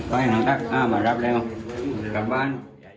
ไปนะครับมารับเร็วกลับบ้าน